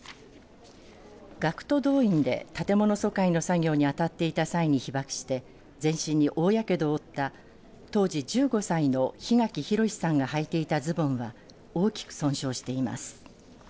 学徒動員で建物疎開の作業に当たっていた際に被爆して全身に大やけどを負った当時１５歳の檜垣浩さんがはいていたズボンは大きく損傷しています。